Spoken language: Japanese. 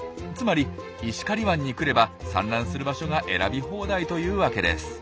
つまり石狩湾に来れば産卵する場所が選び放題というわけです。